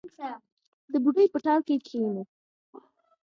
د بوډۍ په ټال کې کښېنو